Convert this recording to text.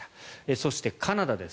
そして、カナダです。